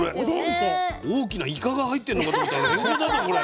これ大きなイカが入ってんのかと思ったられんこんだねこれ。